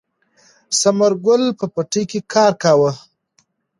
ثمر ګل په پټي کې کار کاوه.